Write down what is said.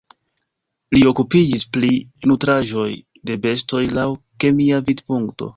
Li okupiĝis pri nutraĵoj de bestoj laŭ kemia vidpunkto.